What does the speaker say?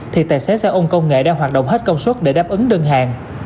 thì tài xế xe ôn công nghệ đang hoạt động hết công suất để đáp ứng đơn hàng